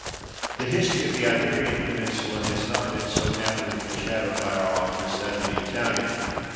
The history of the Iberian Peninsula has not been so happily foreshadowed by our author as that of the Italian.